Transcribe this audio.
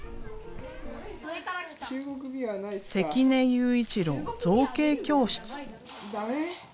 関根悠一郎造形教室。